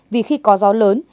vì khi có gió lớn